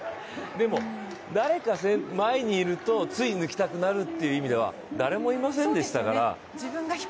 でも、誰か前にいると、つい抜きたくなるという意味では誰もいませんでしたから。